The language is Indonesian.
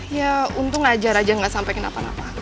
ya untung aja raja gak sampai kenapa napa